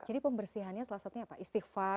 jadi pembersihannya salah satunya apa istighfar